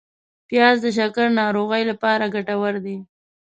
پیاز د شکر ناروغۍ لپاره ګټور دی